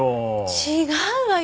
違うわよ！